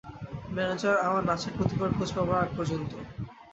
Manager আমার নাচের প্রতিভার খোঁজ পাবার আগ পর্যন্ত।